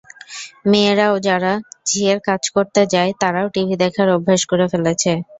মেয়েরাও, যারা ঝিয়ের কাজ করতে যায়, তারাও টিভি দেখার অভ্যেস করে ফেলেছে।